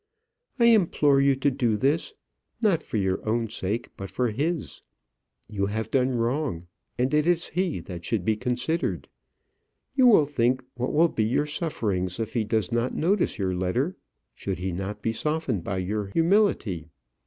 I implore you to do this, not for your own sake, but for his. You have done wrong, and it is he that should be considered. You will think what will be your sufferings if he does not notice your letter; should he not be softened by your humility.